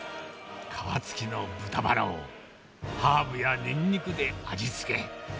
皮つきの豚バラを、ハーブやニンニクで味付け。